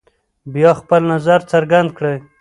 بیا خپل نظر څرګند کړئ.